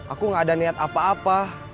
aku gak ada niat apa apa